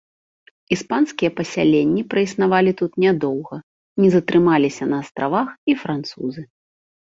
Іспанскія пасяленні праіснавалі тут нядоўга, не затрымаліся на астравах і французы.